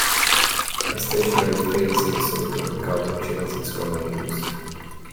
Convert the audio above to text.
A stationary phase of silicon with carbon chains is commonly used.